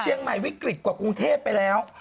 เชียงใหม่วิกฤตกว่ากรุงเทพไปแล้ว